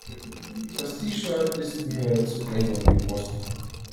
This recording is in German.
Das T-Shirt ist mir zu eng um die Brust.